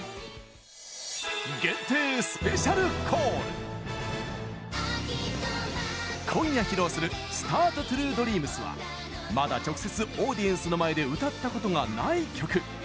そんな今夜、披露する「ＳＴＡＲＴ！！Ｔｒｕｅｄｒｅａｍｓ」はまだ直接、オーディエンスの前で歌ったことがない曲。